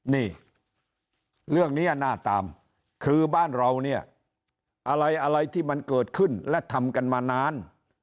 นี่เรื่องนี้น่าตามคือบ้านเราเนี่ยอะไรอะไรที่มันเกิดขึ้นและทำกันมานาน